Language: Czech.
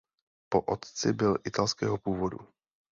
Po otci byl italského původu.